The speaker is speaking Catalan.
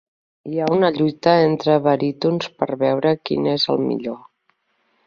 Hi ha una lluita entre barítons per veure quin és el millor.